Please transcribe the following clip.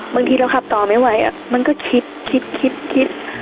บางทีเราขับต่อไม่ไหวมันก็คิดคิดคิดคิด